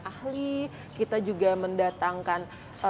ahli kita juga mendatangkan